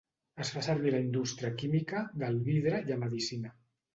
Es fa servir a la indústria química, del vidre i a medicina.